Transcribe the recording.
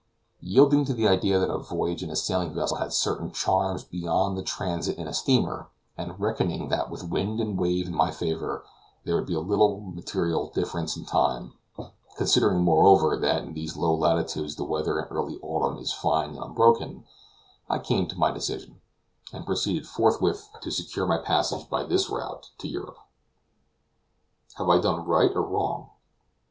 Yielding to the idea that a voyage in a sailing vessel had certain charms beyond the transit in a steamer, and reckoning that with wind and wave in my favor there would be little material difference in time; considering, moreover, that in these low latitudes the weather in early autumn is fine and unbroken, I came to my decision, and proceeded forthwith to secure my passage by this route to Europe. Have I done right or wrong?